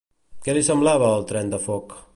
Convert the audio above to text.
Què li semblava el tren de foc?